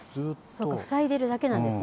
そうか、塞いでるだけなんですね。